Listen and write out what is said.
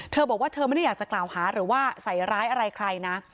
เธอบอกว่าเธอไม่ได้อยากจะกล่าวหาหรือว่าใส่ร้ายอะไรใครนะ